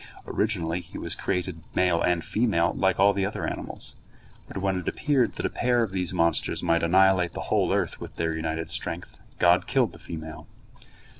Originally he was created male and female like all the other animals. But when it appeared that a pair of these monsters might annihilate the whole earth with their united strength, God killed the female.